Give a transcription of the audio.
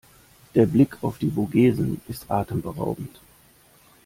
Der Blick auf die Vogesen ist atemberaubend.